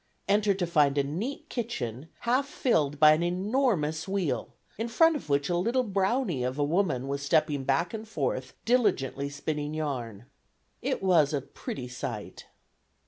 entered to find a neat kitchen, half filled by an enormous wheel, in front of which a little brownie of a woman was stepping back and forth, diligently spinning yarn. It was a pretty sight.